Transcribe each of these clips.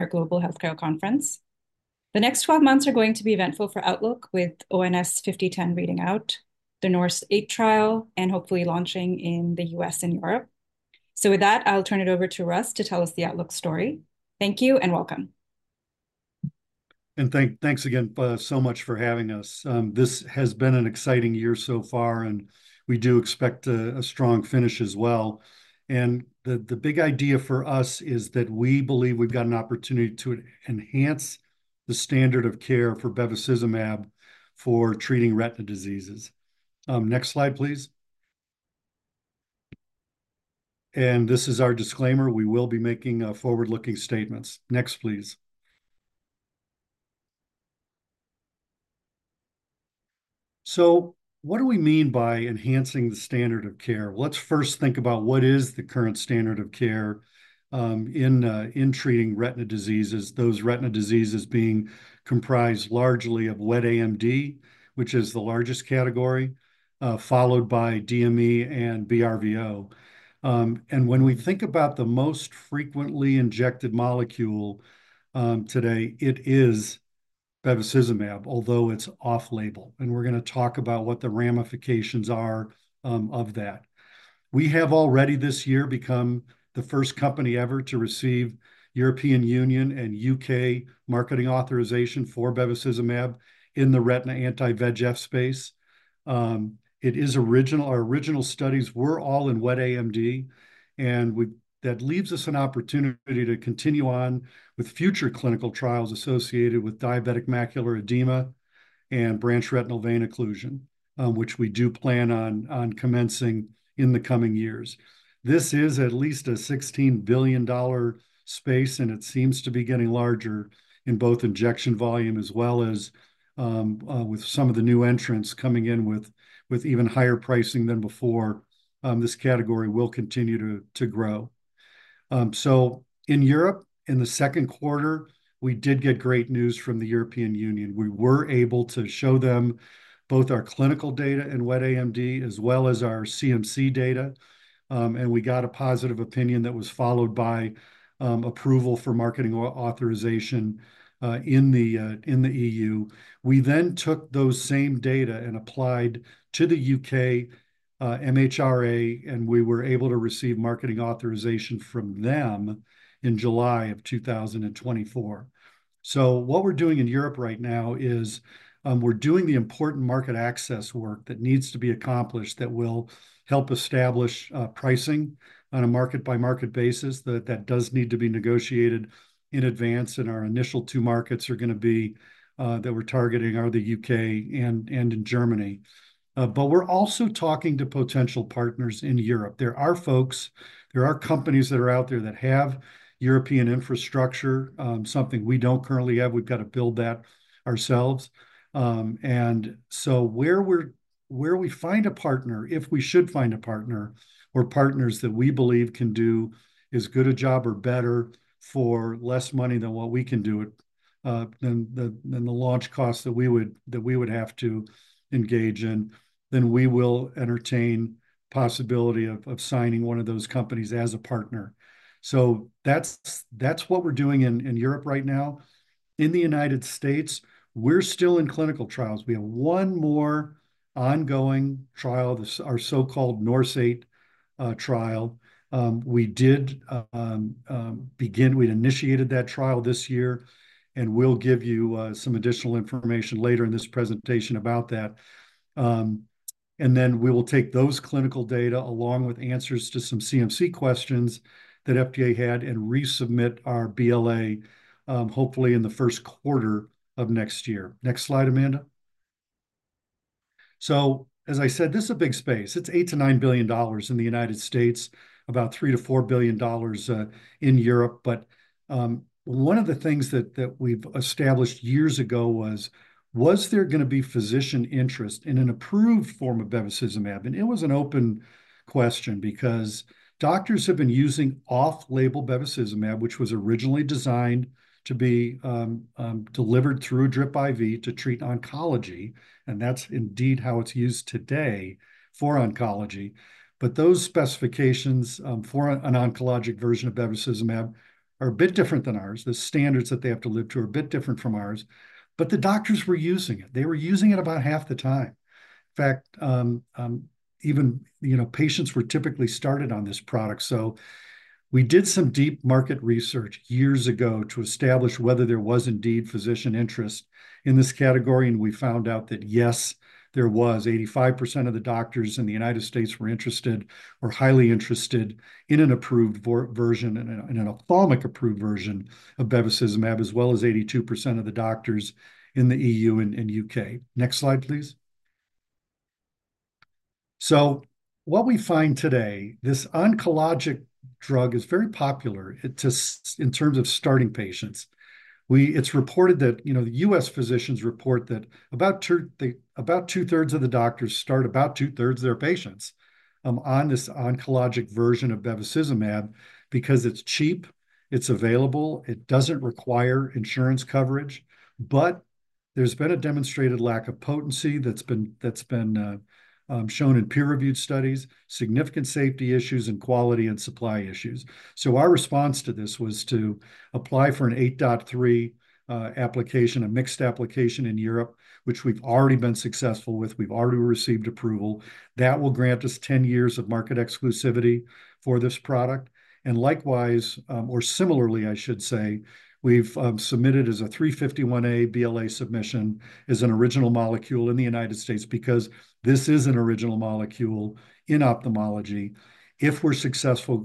Our global healthcare conference. The next 12 months are going to be eventful for Outlook, with ONS-5010 reading out, the NORSE EIGHT trial, and hopefully launching in the U.S. and Europe. So with that, I'll turn it over to Russ to tell us the Outlook story. Thank you, and welcome. And thanks again, so much for having us. This has been an exciting year so far, and we do expect a strong finish as well. And the big idea for us is that we believe we've got an opportunity to enhance the standard of care for bevacizumab for treating retina diseases. Next slide, please. And this is our disclaimer. We will be making forward-looking statements. Next, please. So what do we mean by enhancing the standard of care? Let's first think about what is the current standard of care in treating retina diseases, those retina diseases being comprised largely of wet AMD, which is the largest category, followed by DME and BRVO. And when we think about the most frequently injected molecule, today, it is bevacizumab, although it's off-label, and we're gonna talk about what the ramifications are, of that. We have already this year become the first company ever to receive European Union and U.K. marketing authorization for bevacizumab in the retina anti-VEGF space. Our original studies were all in wet AMD, and that leaves us an opportunity to continue on with future clinical trials associated with diabetic macular edema and branch retinal vein occlusion, which we do plan on commencing in the coming years. This is at least a $16 billion space, and it seems to be getting larger in both injection volume as well as with some of the new entrants coming in with even higher pricing than before. This category will continue to grow. In Europe, in the second quarter, we did get great news from the European Union. We were able to show them both our clinical data in wet AMD, as well as our CMC data, and we got a positive opinion that was followed by approval for marketing or authorization in the EU. We then took those same data and applied to the U.K. MHRA, and we were able to receive marketing authorization from them in July of 2024. What we're doing in Europe right now is we're doing the important market access work that needs to be accomplished that will help establish pricing on a market-by-market basis, that does need to be negotiated in advance. Our initial two markets are gonna be that we're targeting are the U.K. and in Germany. But we're also talking to potential partners in Europe. There are folks, companies that are out there that have European infrastructure, something we don't currently have. We've got to build that ourselves. Where we find a partner, if we should find a partner or partners that we believe can do as good a job or better for less money than what we can do it, than the launch costs that we would have to engage in, then we will entertain possibility of signing one of those companies as a partner. That's what we're doing in Europe right now. In the United States, we're still in clinical trials. We have one more ongoing trial, this, our so-called NORSE EIGHT trial. We'd initiated that trial this year, and we'll give you some additional information later in this presentation about that. And then we will take those clinical data, along with answers to some CMC questions that FDA had, and resubmit our BLA, hopefully in the first quarter of next year. Next slide, Amanda. So as I said, this is a big space. It's $8billion-$9 billion in the United States, about $3billion-$4 billion in Europe. But one of the things that we've established years ago was there gonna be physician interest in an approved form of bevacizumab? It was an open question because doctors have been using off-label bevacizumab, which was originally designed to be delivered through a drip IV to treat oncology, and that's indeed how it's used today for oncology. Those specifications for an oncologic version of bevacizumab are a bit different than ours. The standards that they have to live to are a bit different from ours, but the doctors were using it. They were using it about half the time. In fact, even you know patients were typically started on this product. We did some deep market research years ago to establish whether there was indeed physician interest in this category, and we found out that, yes, there was. 85% of the doctors in the United States were interested or highly interested in an approved version, in an ophthalmic-approved version of bevacizumab, as well as 82% of the doctors in the EU and U.K. Next slide, please. So what we find today, this oncologic drug is very popular. It just in terms of starting patients. It's reported that, you know, the U.S. physicians report that about 2/3 of the doctors start about 2/3 of their patients on this oncologic version of bevacizumab because it's cheap, it's available, it doesn't require insurance coverage, but there's been a demonstrated lack of potency that's been shown in peer-reviewed studies, significant safety issues, and quality and supply issues. So our response to this was to apply for an 8.3 application, a mixed application in Europe, which we've already been successful with. We've already received approval. That will grant us 10 years of market exclusivity for this product, and likewise, or similarly, I should say, we've submitted as a 351(a) BLA submission as an original molecule in the United States, because this is an original molecule in ophthalmology. If we're successful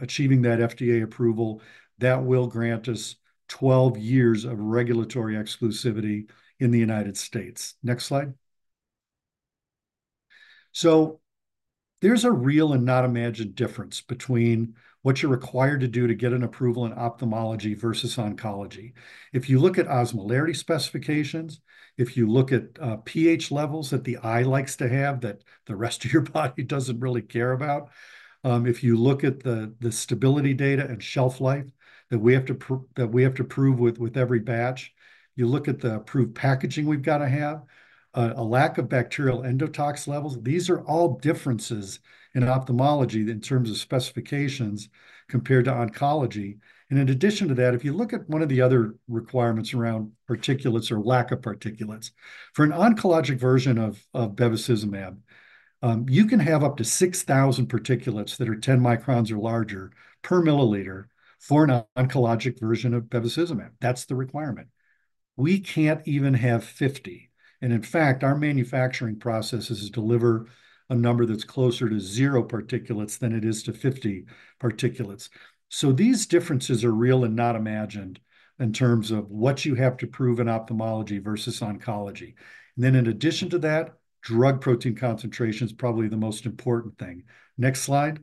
achieving that FDA approval, that will grant us 12 years of regulatory exclusivity in the United States. Next slide. So there's a real and not imagined difference between what you're required to do to get an approval in ophthalmology versus oncology. If you look at osmolarity specifications, if you look at pH levels that the eye likes to have, that the rest of your body doesn't really care about, if you look at the stability data and shelf life that we have to prove with every batch, you look at the approved packaging we've gotta have, a lack of bacterial endotoxin levels, these are all differences in ophthalmology in terms of specifications compared to oncology, and in addition to that, if you look at one of the other requirements around particulates or lack of particulates, for an oncologic version of bevacizumab, you can have up to 6,000 particulates that are 10 microns or larger per milliliter for an oncologic version of bevacizumab. That's the requirement. We can't even have 50, and in fact, our manufacturing processes deliver a number that's closer to zero particulates than it is to 50 particulates. So these differences are real and not imagined in terms of what you have to prove in ophthalmology versus oncology. And then, in addition to that, drug protein concentration is probably the most important thing. Next slide.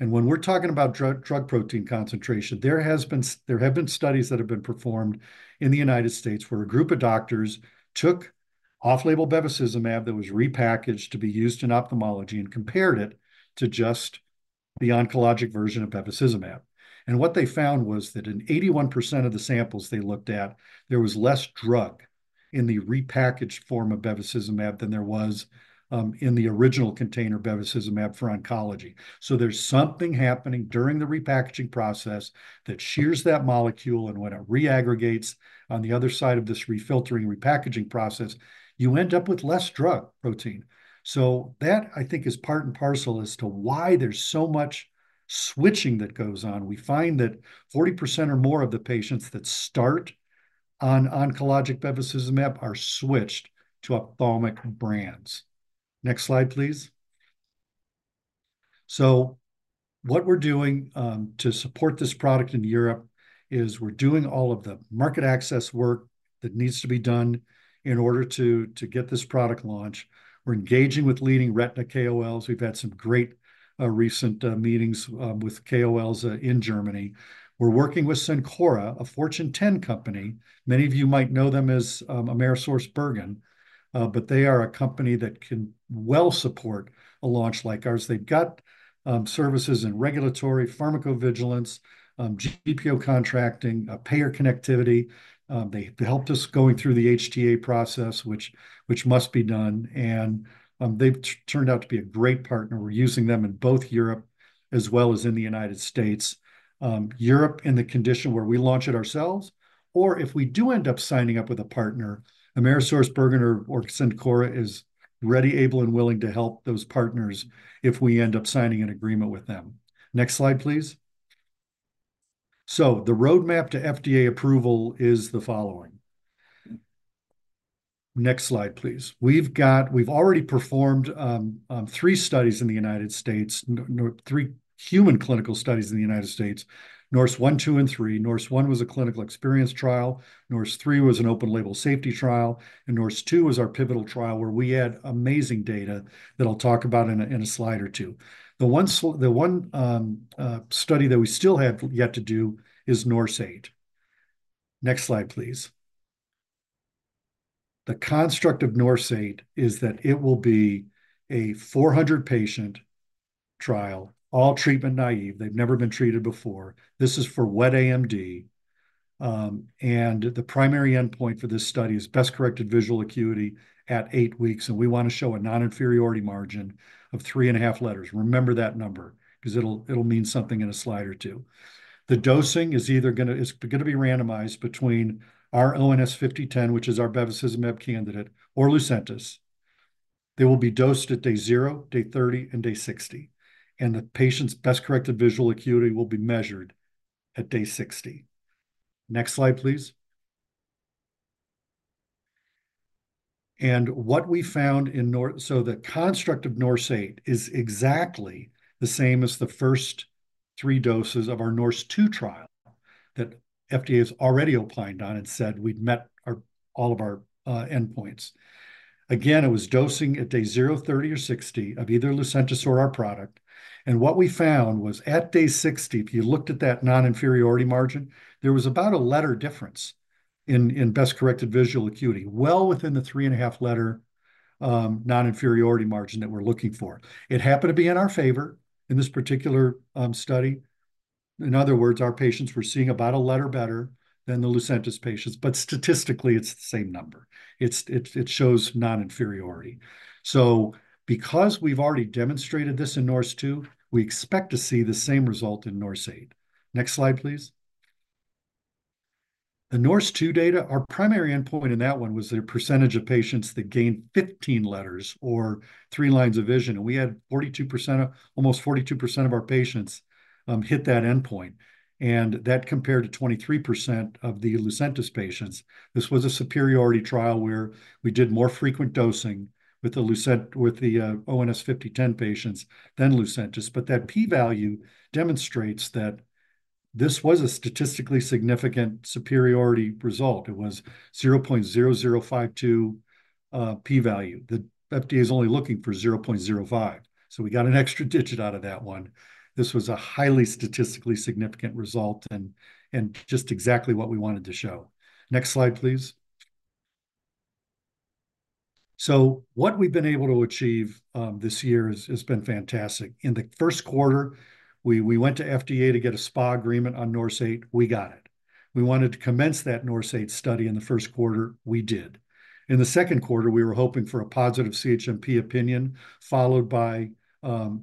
And when we're talking about drug, drug protein concentration, there have been studies that have been performed in the United States, where a group of doctors took off-label bevacizumab that was repackaged to be used in ophthalmology and compared it to just the oncologic version of bevacizumab. And what they found was that in 81% of the samples they looked at, there was less drug in the repackaged form of bevacizumab than there was in the original container of bevacizumab for oncology. So there's something happening during the repackaging process that shears that molecule, and when it reaggregates on the other side of this refiltering, repackaging process, you end up with less drug protein. So that, I think, is part and parcel as to why there's so much switching that goes on. We find that 40% or more of the patients that start on oncologic bevacizumab are switched to ophthalmic brands. Next slide, please. So what we're doing to support this product in Europe is we're doing all of the market access work that needs to be done in order to get this product launch. We're engaging with leading retina KOLs. We've had some great recent meetings with KOLs in Germany. We're working with Cencora, a Fortune 10 company. Many of you might know them as AmerisourceBergen, but they are a company that can well support a launch like ours. They've got services in regulatory pharmacovigilance, GPO contracting, payer connectivity. They helped us going through the HTA process, which must be done, and they've turned out to be a great partner. We're using them in both Europe as well as in the United States. Europe, in the condition where we launch it ourselves, or if we do end up signing up with a partner, AmerisourceBergen or Cencora is ready, able, and willing to help those partners if we end up signing an agreement with them. Next slide, please. So the roadmap to FDA approval is the following. Next slide, please. We've already performed three studies in the United States, three human clinical studies in the United States, NORSE ONE, NORSE TWO, and NORSE THREE. NORSE ONE was a clinical experience trial, NORSE THREE was an open label safety trial, and NORSE TWO was our pivotal trial, where we had amazing data that I'll talk about in a slide or two. The one study that we still have yet to do is NORSE EIGHT. Next slide, please. The construct of NORSE EIGHT is that it will be a 400-patient trial, all treatment naive. They've never been treated before. This is for wet AMD, and the primary endpoint for this study is best-corrected visual acuity at eight weeks, and we want to show a non-inferiority margin of three and a half letters. Remember that number, 'cause it'll mean something in a slide or two. The dosing is either gonna be randomized between our ONS-5010, which is our bevacizumab candidate, or Lucentis. They will be dosed at day zero, day 30, and day 60, and the patient's best-corrected visual acuity will be measured at day 60. Next slide, please. So the construct of NORSE EIGHT is exactly the same as the first three doses of our NORSE TWO trial that FDA has already opined on and said we'd met our, all of our, endpoints. Again, it was dosing at day zero, 30, or 60 of either Lucentis or our product, and what we found was, at day 60, if you looked at that non-inferiority margin, there was about a letter difference in best-corrected visual acuity, well within the three-and-a-half letter non-inferiority margin that we're looking for. It happened to be in our favor in this particular study. In other words, our patients were seeing about a letter better than the Lucentis patients, but statistically it's the same number. It shows non-inferiority. So because we've already demonstrated this in NORSE TWO, we expect to see the same result in NORSE EIGHT. Next slide, please. The NORSE TWO data, our primary endpoint in that one was the percentage of patients that gained 15 letters or three lines of vision, and we had almost 42% of our patients hit that endpoint, and that compared to 23% of the Lucentis patients. This was a superiority trial where we did more frequent dosing with the ONS-5010 patients than Lucentis. But that p-value demonstrates that this was a statistically significant superiority result. It was 0.0052 p-value. The FDA is only looking for 0.05, so we got an extra digit out of that one. This was a highly statistically significant result, and just exactly what we wanted to show. Next slide, please. What we've been able to achieve this year has been fantastic. In the first quarter, we went to FDA to get a SPA agreement on NORSE EIGHT. We got it. We wanted to commence that NORSE EIGHT study in the first quarter. We did. In the second quarter, we were hoping for a positive CHMP opinion, followed by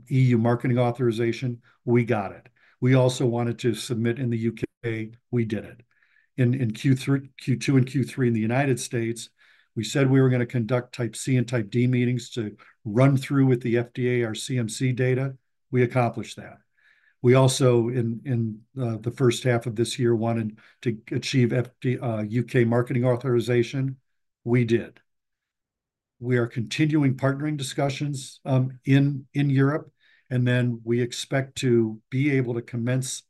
EU marketing authorization. We got it. We also wanted to submit in the U.K. We did it. In Q2 and Q3 in the United States, we said we were gonna conduct Type C and Type D meetings to run through with the FDA our CMC data. We accomplished that. We also in the first half of this year wanted to achieve U.K. marketing authorization. We did. We are continuing partnering discussions in Europe, and then we expect to be able to commence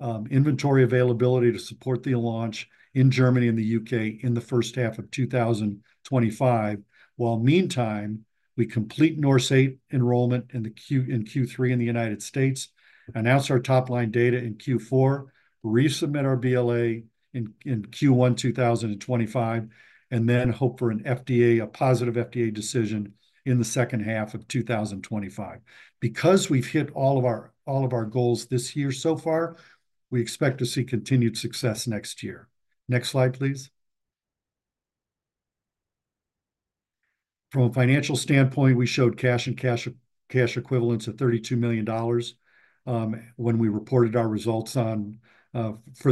inventory availability to support the launch in Germany and the U.K. in the first half of 2025. While meantime, we complete NORSE EIGHT enrollment in Q3 in the United States, announce our top-line data in Q4, resubmit our BLA in Q1 2025, and then hope for a positive FDA decision in the second half of 2025. Because we've hit all of our goals this year so far, we expect to see continued success next year. Next slide, please. From a financial standpoint, we showed cash and cash equivalents of $32 million when we reported our results for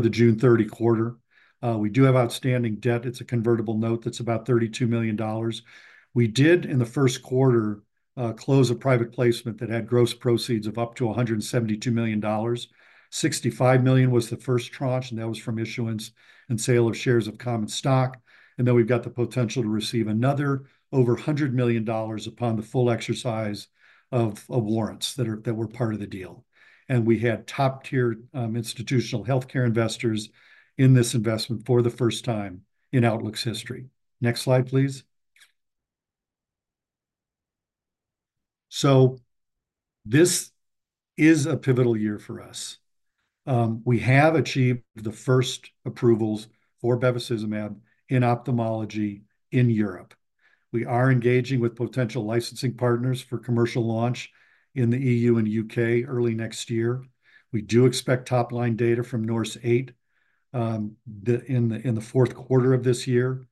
the June 30 quarter. We do have outstanding debt. It's a convertible note that's about $32 million. We did, in the first quarter, close a private placement that had gross proceeds of up to $172 million. 65 million was the first tranche, and that was from issuance and sale of shares of common stock, and then we've got the potential to receive another over $100 million upon the full exercise of warrants that were part of the deal, and we had top-tier institutional healthcare investors in this investment for the first time in Outlook's history. Next slide, please. This is a pivotal year for us. We have achieved the first approvals for bevacizumab in ophthalmology in Europe. We are engaging with potential licensing partners for commercial launch in the EU and U.K. early next year. We do expect top-line data from NORSE EIGHT in the fourth quarter of this year,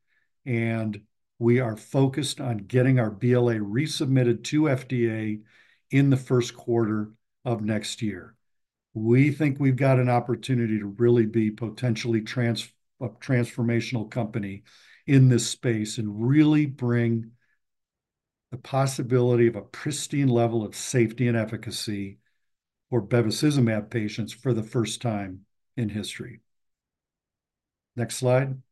and we are focused on getting our BLA resubmitted to FDA in the first quarter of next year. We think we've got an opportunity to really be potentially transformational company in this space and really bring the possibility of a pristine level of safety and efficacy for bevacizumab patients for the first time in history. Next slide.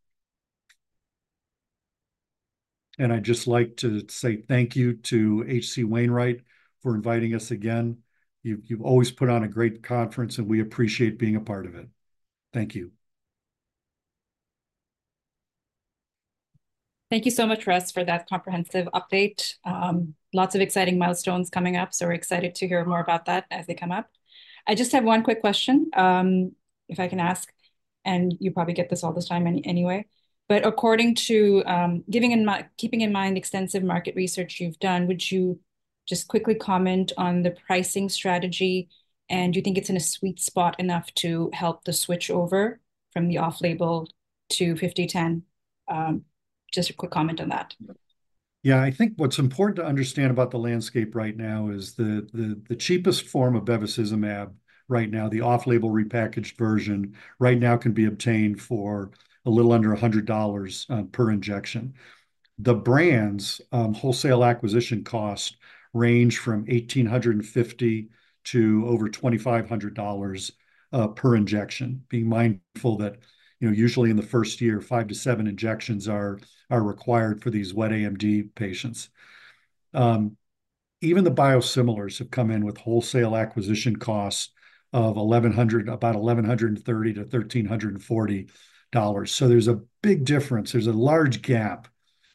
I'd just like to say thank you to H.C. Wainwright for inviting us again. You've always put on a great conference, and we appreciate being a part of it. Thank you. Thank you so much, Russ, for that comprehensive update. Lots of exciting milestones coming up, so we're excited to hear more about that as they come up. I just have one quick question, if I can ask, and you probably get this all the time anyway, but according to, keeping in mind the extensive market research you've done, would you just quickly comment on the pricing strategy? And do you think it's in a sweet spot enough to help the switchover from the off-label to 5010? Just a quick comment on that. Yeah. I think what's important to understand about the landscape right now is the cheapest form of bevacizumab right now, the off-label repackaged version, right now can be obtained for a little under $100 per injection. The brand's wholesale acquisition cost range from $1,850 to over $2,500 per injection, being mindful that, you know, usually in the first year, five to seven injections are required for these wet AMD patients. Even the biosimilars have come in with wholesale acquisition costs of $1,100, about $1,130-$1,340. So there's a big difference. There's a large gap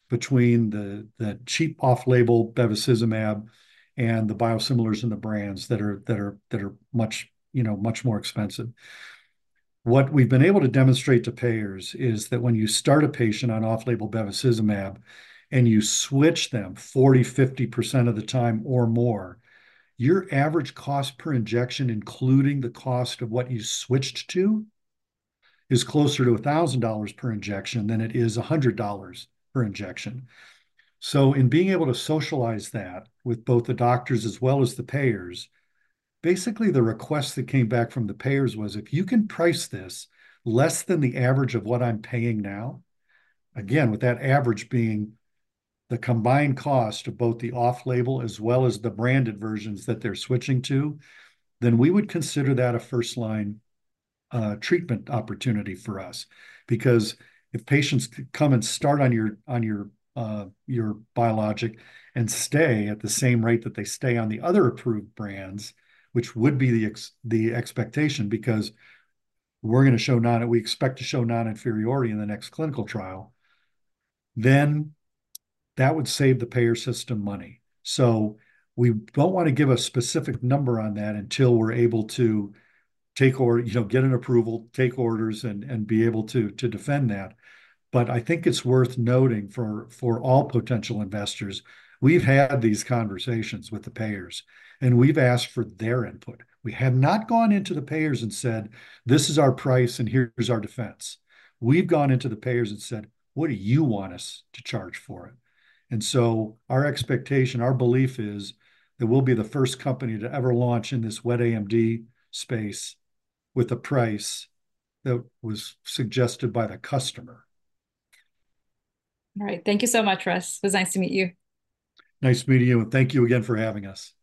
between the cheap off-label bevacizumab and the biosimilars and the brands that are much, you know, much more expensive. What we've been able to demonstrate to payers is that when you start a patient on off-label bevacizumab, and you switch them 40%-50% of the time or more, your average cost per injection, including the cost of what you switched to, is closer to $1,000 per injection than it is $100 per injection. In being able to socialize that with both the doctors as well as the payers, basically the request that came back from the payers was, "If you can price this less than the average of what I'm paying now," again, with that average being the combined cost of both the off-label as well as the branded versions that they're switching to, "then we would consider that a first-line treatment opportunity for us." Because if patients come and start on your biologic and stay at the same rate that they stay on the other approved brands, which would be the expectation, because we expect to show non-inferiority in the next clinical trial, then that would save the payer system money. So we don't want to give a specific number on that until we're able to take or, you know, get an approval, take orders, and be able to defend that. But I think it's worth noting for all potential investors, we've had these conversations with the payers, and we've asked for their input. We have not gone into the payers and said, "This is our price, and here's our defense." We've gone into the payers and said, "What do you want us to charge for it?" And so our expectation, our belief, is that we'll be the first company to ever launch in this wet AMD space with a price that was suggested by the customer. All right. Thank you so much, Russ. It was nice to meet you. Nice meeting you, and thank you again for having us.